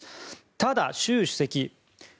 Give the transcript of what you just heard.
ただ、習主席